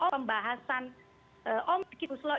pembahasan omnibus law